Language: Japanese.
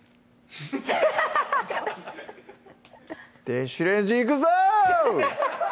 電子レンジいくぞ‼